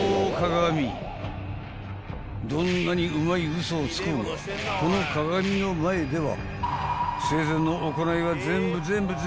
［どんなにうまい嘘をつこうがこの鏡の前では］